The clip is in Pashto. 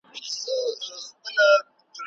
هغه مالونه چي په کور دننه توليديږي بايد ارزانه وي.